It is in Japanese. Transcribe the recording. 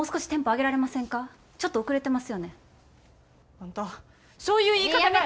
あんたそういう言い方がやな。